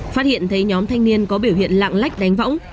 phát hiện thấy nhóm thanh niên có biểu hiện lạng lách đánh võng